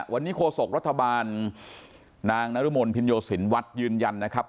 วันนี้โฆษกรัฐบาลนางนรมนภินโยสินวัดยืนยันนะครับ